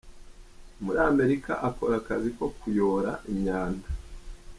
Muri Amerika akora akazi ko kuyora imyanda.